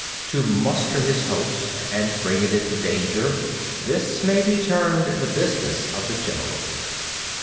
40. To muster his host and bring it into danger:—this may be termed the business of the general.